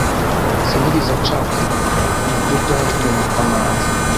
Sinigeze nshaka ibi, nabyo byavuzwe na kamanzi